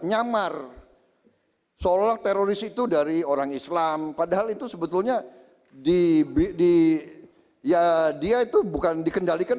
nyamar seolah teroris itu dari orang islam padahal itu sebetulnya di ya dia itu bukan dikendalikan